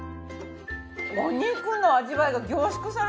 お肉の味わいが凝縮されてますね。